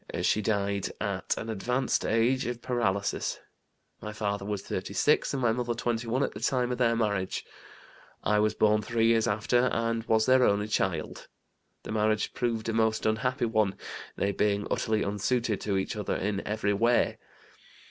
She died at an advanced age, of paralysis. My father was 36 and my mother 21 at the time of their marriage. I was born three years after and was their only child. The marriage proved a most unhappy one, they being utterly unsuited to each other in every way.